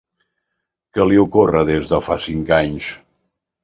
Què li ocorre des de fa cinc anys?